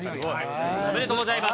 おめでとうございます。